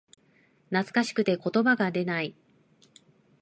懐かしくて言葉が出ない